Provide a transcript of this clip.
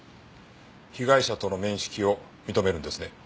被害者との面識を認めるんですね。